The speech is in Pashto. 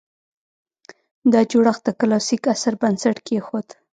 دا جوړښت د کلاسیک عصر بنسټ کېښود